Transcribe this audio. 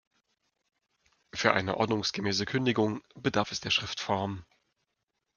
Für eine ordnungsgemäße Kündigung bedarf es der Schriftform.